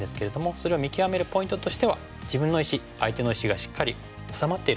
それを見極めるポイントとしては自分の石相手の石がしっかりおさまっているか。